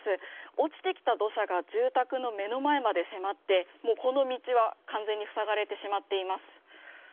落ちてきた土砂が住宅の目の前まで迫ってもうこの道は完全に塞がれてしまっています。